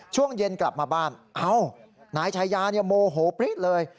ช่วงเย็นกลับมาบ้านอ้าวนายชัยยาเนี่ยโมโหเพร็ดเลย